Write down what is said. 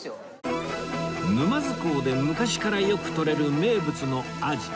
沼津港で昔からよくとれる名物のアジ